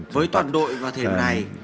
với toàn đội vào thời điểm này